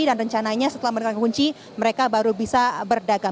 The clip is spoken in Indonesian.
dan rencananya setelah mendapatkan kunci mereka baru bisa berdagang